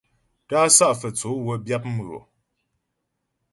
Tá'a Sá'a Fə́tsǒ wə́ byǎp mghʉɔ.